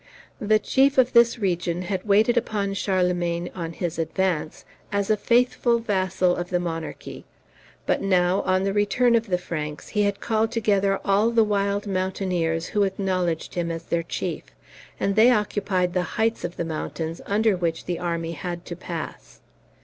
The chief of this region had waited upon Charlemagne, on his advance, as a faithful vassal of the monarchy; but now, on the return of the Franks, he had called together all the wild mountaineers who acknowledged him as their chief, and they occupied the heights of the mountains under which the army had to pass.